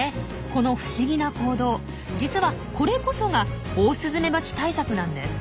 この不思議な行動実はこれこそがオオスズメバチ対策なんです。